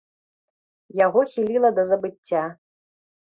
Яго хіліла да забыцця.